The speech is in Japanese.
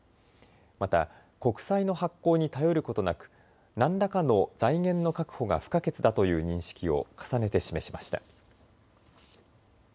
また国債の発行に頼ることなく何らかの財源の確保が不可欠だという認識を重ねて示しました。